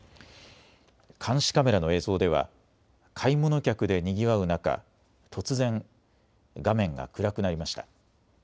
監視カメラの映像では買い物客でにぎわう中、突然画面が暗くなりました。